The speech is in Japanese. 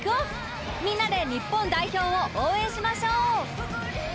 みんなで日本代表を応援しましょう！